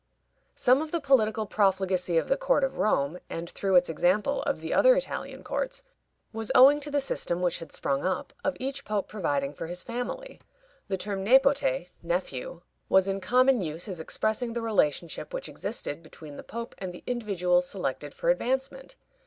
Some of the political profligacy of the court of Rome, and, through its example, of the other Italian courts, was owing to the system which had sprung up of each pope providing for his family. The term nepote (nephew) was in common use as expressing the relationship which existed between the pope and the individuals selected for advancement.